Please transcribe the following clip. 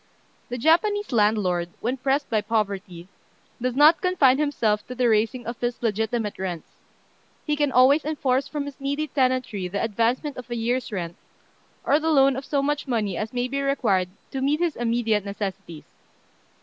The Japanese landlord, when pressed by poverty, does not confine himself to the raising of his legitimate rents: he can always enforce from his needy tenantry the advancement of a year's rent, or the loan of so much money as may be required to meet his immediate necessities.